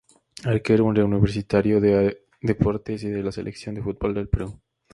Arquero de Universitario de Deportes y de la Selección de fútbol del Perú.